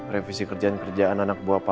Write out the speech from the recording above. revisi kerjaan kerjaan anak buah pak